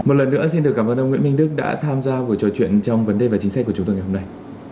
một lần nữa xin được cảm ơn ông nguyễn minh đức đã tham gia buổi trò chuyện trong vấn đề và chính sách của chúng tôi ngày hôm nay